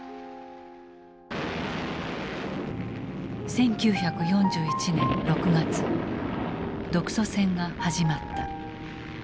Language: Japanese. １９４１年６月独ソ戦が始まった。